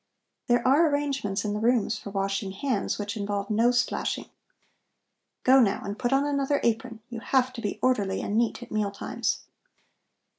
"There are arrangements in the rooms for washing hands, which involve no splashing. Go, now, and put on another apron. You have to be orderly and neat at mealtimes."